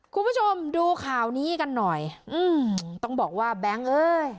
คุณผู้ชมดูข่าวนี้กันหน่อยอืมต้องบอกว่าแบงค์เอ้ย